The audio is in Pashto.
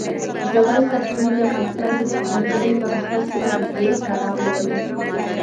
ژورې سرچینې د افغانستان د تکنالوژۍ له پرمختګ سره نږدې تړاو لري.